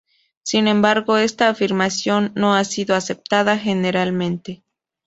Sin embargo, esta afirmación 'no ha sido aceptada generalmente'.